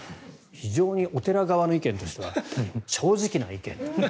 非常にお寺側の意見としては正直な意見。